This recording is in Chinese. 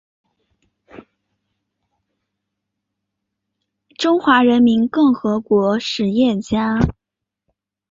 中华人民共和国实业家。